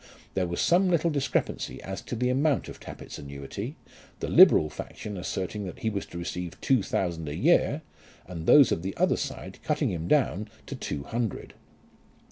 There was some little discrepancy as to the amount of Tappitt's annuity, the liberal faction asserting that he was to receive two thousand a year, and those of the other side cutting him down to two hundred.